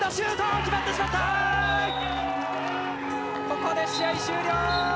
ここで試合終了！